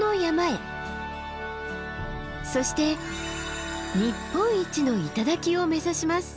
そして日本一の頂を目指します。